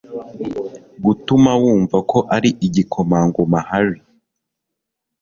gutuma wumva ko ari igikomangoma harry